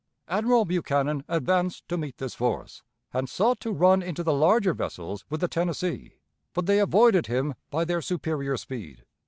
Admiral Buchanan advanced to meet this force, and sought to run into the larger vessels with the Tennessee, but they avoided him by their superior speed.